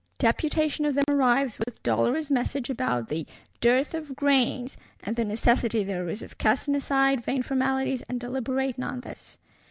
Deputation of them arrives, with dolorous message about the "dearth of grains," and the necessity there is of casting aside vain formalities, and deliberating on this.